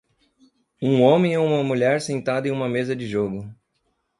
Um homem e uma mulher sentada em uma mesa de jogo.